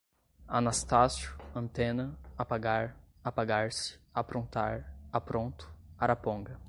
anastácio, antena, apagar, apagar-se, aprontar, apronto, araponga